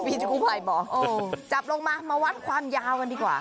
ที่กู้ภัยบอกจับลงมามาวัดความยาวกันดีกว่า